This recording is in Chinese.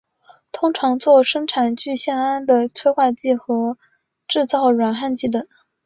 通常作生产聚酰胺的催化剂和制造软焊剂等。